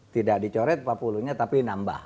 tidak dicoret papulunya tapi nambah